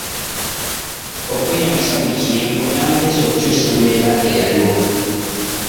okweyambisa buli kiyengo n’amagezi okukyusa embeera eyaliwo